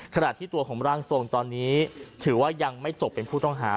ขณะที่ตัวของร่างทรงตอนนี้ถือว่ายังไม่ตกเป็นผู้ต้องหา